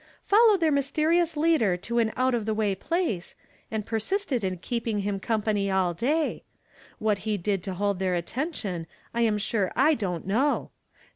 wed their niysterions U'ader to an out of the uay phiee, and pei sisted in keepin.tr him company all day. What lie did to hold their attention, j am sure I don't know.